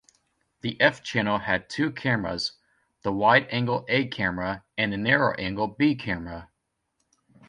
The F-channel had two cameras: the wide-angle A-camera and the narrow angle B-camera.